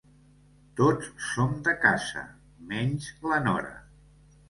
Tots som de casa, menys la nora.